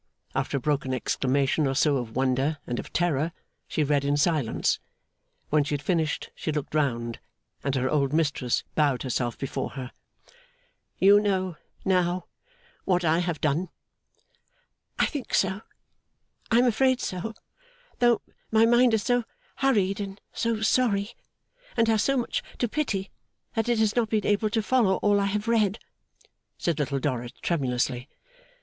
After a broken exclamation or so of wonder and of terror, she read in silence. When she had finished, she looked round, and her old mistress bowed herself before her. 'You know, now, what I have done.' 'I think so. I am afraid so; though my mind is so hurried, and so sorry, and has so much to pity that it has not been able to follow all I have read,' said Little Dorrit tremulously.